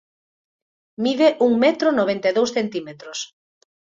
Mide un metro noventa e dous centímetros.